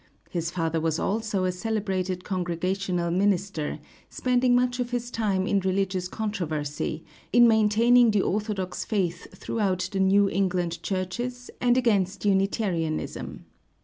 His father was also a celebrated Congregational minister, spending much of his time in religious controversy, in maintaining the orthodox faith throughout the New England churches and against Unitarianism.